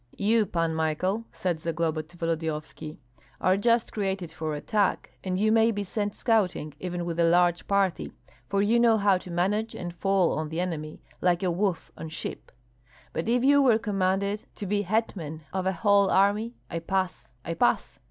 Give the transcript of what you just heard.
"You, Pan Michael," said Zagloba to Volodyovski, "are just created for attack, and you may be sent scouting, even with a large party, for you know how to manage, and fall on the enemy, like a wolf on sheep; but if you were commanded to be hetman of a whole army, I pass, I pass!